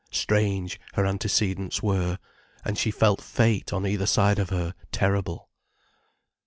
Strange, her antecedents were, and she felt fate on either side of her terrible.